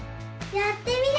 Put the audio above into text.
やってみる！